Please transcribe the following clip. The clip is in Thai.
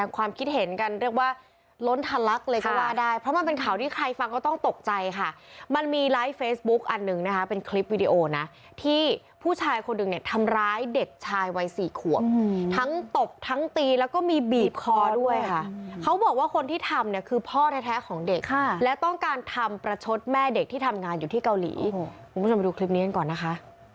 คนไทยฟังก็ต้องตกใจค่ะมันมีไลฟ์เฟสบุ๊คอันนึงนะคะเป็นคลิปวีดีโอนะที่ผู้ชายคนหนึ่งเนี่ยทำร้ายเด็กชายวัย๔ขวบทั้งตบทั้งตีแล้วก็มีบีบคอด้วยค่ะเขาบอกว่าคนที่ทำเนี่ยคือพ่อแท้ของเด็กและต้องการทำประชดแม่เด็กที่ทำงานอยู่ที่เกาหลีผมจะไปดูคลิปนี้กันก่อนนะคะ